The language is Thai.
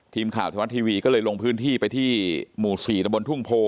ทีมข่าวทหารทีวีก็เลยลงพื้นที่ไปที่หมู่ศรีตธุ่งโพ